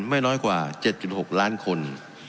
ไม่น้อยกว่า๗๖ล้านคน